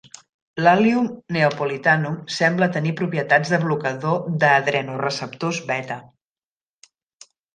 L'"Allium neapolitanum" sembla tenir propietats de blocador d'adrenoreceptors beta.